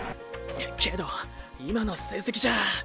けど今の成績じゃ。